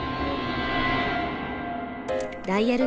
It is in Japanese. ダイヤル